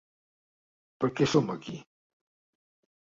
Per què som aquí?